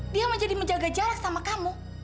dia menjadi menjaga jarak sama kamu